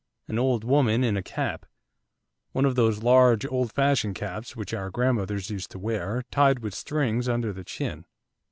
An old woman in a cap, one of those large old fashioned caps which our grandmothers used to wear, tied with strings under the chin.